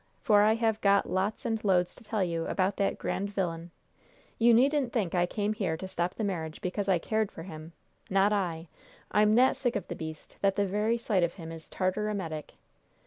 For I have got lots and loads to tell you about that grand vilyun! You needn't think I came here to stop the marriage because I cared for him! Not I! I'm that sick of the beast that the very sight of him is tartar emetic!